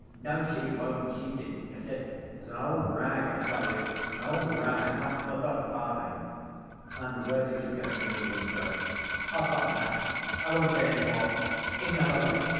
"No, she won't, she didn't miss it. It was an old rag, I tell you, an old rag not worth a farthing." "And where did you get the needle and thread?" "I'll stop now. I won't say any more. Enough of it!"